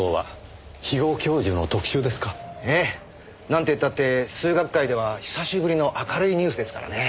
なんてったって数学界では久しぶりの明るいニュースですからね。